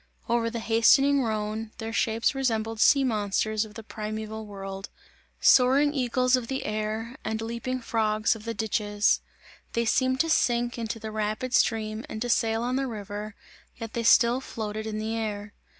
Over the hastening Rhone, their shapes resembled sea monsters of the primeval world, soaring eagles of the air and leaping frogs of the ditches they seemed to sink into the rapid stream and to sail on the river, yet they still floated in the air.